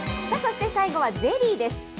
さあ、そして最後はゼリーです。